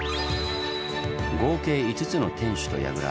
合計５つの天守と櫓。